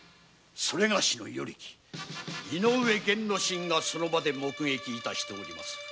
それがしの与力井上源之進がその場で目撃致しておりまする。